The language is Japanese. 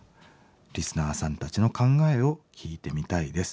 リスナーさんたちの考えを聞いてみたいです。